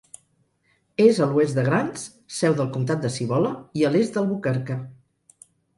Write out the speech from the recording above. És a l'oest de Grants, seu del comtat de Cibola, i a l'est d'Albuquerque.